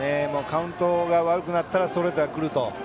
カウントが悪くなったらストレートが来ると。